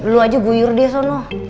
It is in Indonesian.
lu aja buyur dia sono